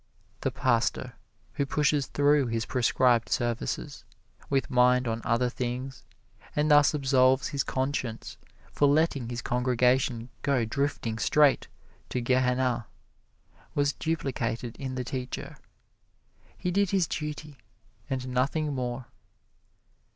The pastor who pushes through his prescribed services, with mind on other things, and thus absolves his conscience for letting his congregation go drifting straight to Gehenna, was duplicated in the teacher. He did his duty and nothing more.